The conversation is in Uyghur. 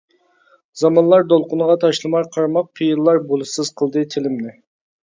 زامانلار دولقۇنىغا تاشلىماي قارماق، پېئىللار بولۇشسىز قىلدى تىلىمنى.